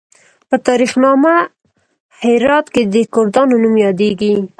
په تاریخ نامه هرات کې د کردانو نوم یادیږي.